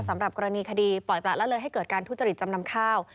สำหรับกรณีคดีปล่อยประละเลยให้เกิดการทุจริตจำนำข้าว